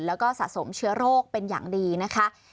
แล้วก็สะสมเชื้อโรคเป็นอย่างดีนะคะ